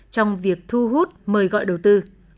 trong việc thu hút mời gọi đầu tư